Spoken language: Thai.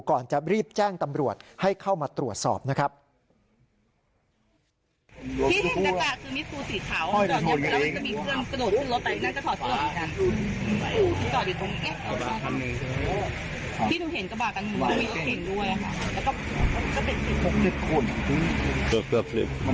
ก่อนจะรีบแจ้งตำรวจให้เข้ามาตรวจสอบนะครับ